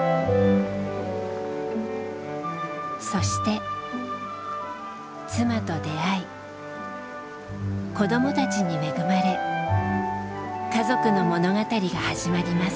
そして妻と出会い子どもたちに恵まれ家族の物語が始まります。